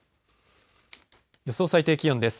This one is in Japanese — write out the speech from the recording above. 予想最低気温です。